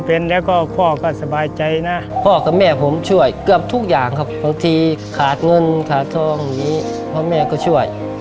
เออทำเป็นแล้ว